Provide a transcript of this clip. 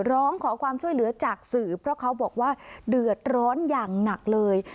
ร้องขอความช่วยเหลือจากสื่อเพราะเขาบอกว่าเดือดร้อนอย่างหนักเลย